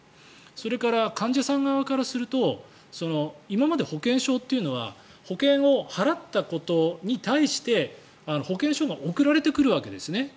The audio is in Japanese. それから、患者さん側からすると今まで保険証というのは保険を払ったことに対して保険証が送られてくるわけですね。